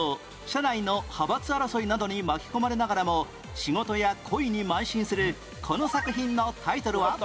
社内の派閥争いなどに巻き込まれながらも仕事や恋に邁進するこの作品のタイトルは？